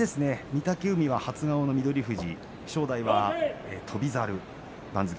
御嶽海は初顔の翠富士正代は翔猿です。